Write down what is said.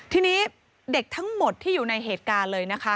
ทีนี้เด็กทั้งหมดที่อยู่ในเหตุการณ์เลยนะคะ